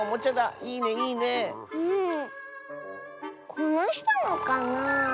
このひとのかな？